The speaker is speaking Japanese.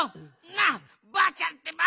なあばあちゃんってば！